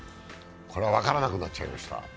これは分からなくなっちゃいました。